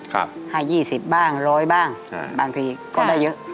ครับให้๒๐บ้าง๑๐๐บ้างบางทีก็ได้เยอะ